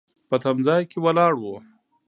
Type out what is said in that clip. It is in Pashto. په تم ځای کې ولاړ و.